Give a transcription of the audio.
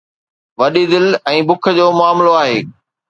وڏي دل ۽ بُک جو معاملو آهي.